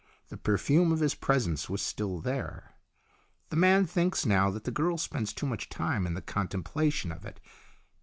The perfume of his presence was still there. The man thinks now that the girl spends too much time in the contemplation of it.